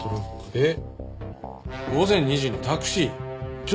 えっ？